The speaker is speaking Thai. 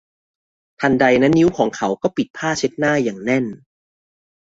ทันใดนั้นนิ้วของเขาก็ปิดผ้าเช็ดหน้าอย่างแน่น